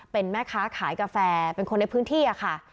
เป็นแม่ค้าขายกาแฟเป็นคนในพื้นที่ค่ะ